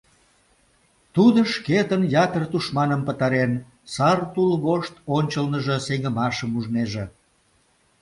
Тудо шкетын ятыр тушманым пытарен, сар тул вошт ончылныжо сеҥымашым ужнеже.